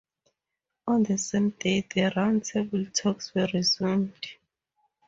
On the same day, the round table talks were resumed.